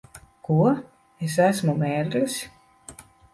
Ko? Es esmu mērglis?